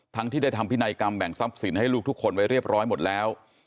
ที่ได้ทำพินัยกรรมแบ่งทรัพย์สินให้ลูกทุกคนไว้เรียบร้อยหมดแล้ว